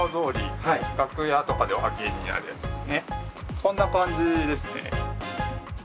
こんな感じですね。